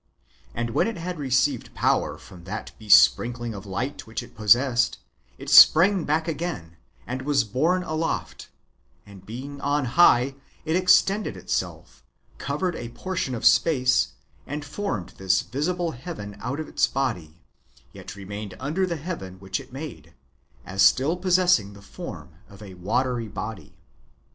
And when it had received power from that be sprinkling of light which it possessed, it sprang back again, and was borne aloft ; and being on high, it extended itself, covered [a portion of space], and formed this visible heaven out of its body ; yet remained under the heaven which it made, as still possessing the form of a watery body.